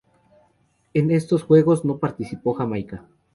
En estos juegos no participó Jamaica.